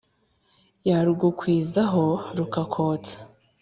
yarugukwiza ho rukakotsa